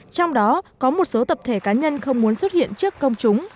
trong đó có một số tập thể cá nhân không muốn xuất hiện trước công chúng